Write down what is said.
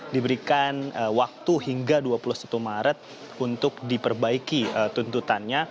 diberikan waktu hingga dua puluh satu maret untuk diperbaiki tuntutannya